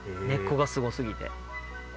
根っこがすごすぎて。